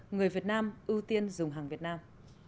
người việt nam ưu tiên dùng hàng việt nam